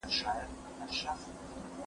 ناوړه کارونه نه ترسره کېږي.